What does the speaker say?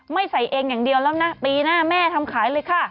ใส่เองอย่างเดียวแล้วนะปีหน้าแม่ทำขายเลยค่ะ